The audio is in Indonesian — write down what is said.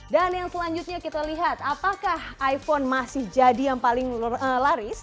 dan yang selanjutnya kita lihat apakah iphone masih jadi yang paling laris